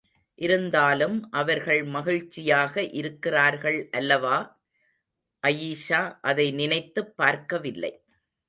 இருந்தாலும் அவர்கள் மகிழ்ச்சியாக இருக்கிறார்கள் அல்லவா? அயீஷா அதை நினைத்துப் பார்க்கவில்லை.